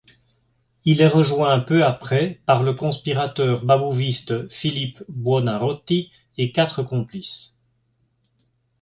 Il est rejoint peu après par le conspirateur babouviste Philippe Buonarroti et quatre complices.